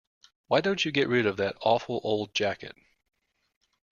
Why don't you get rid of that awful old jacket?